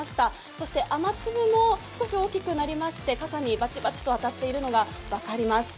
そして、雨粒も少し大きくなりまして傘にバチバチと当たっているのが分かります。